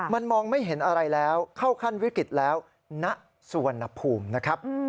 มันมองไม่เห็นอะไรแล้วเข้าขั้นวิกฤตแล้วณสุวรรณภูมินะครับ